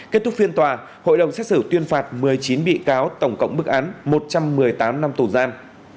kết thúc phiên tòa hội đồng xét xử tuyên phạt một mươi chín bị cáo tổng cộng bức án một trăm một mươi tám năm tù giam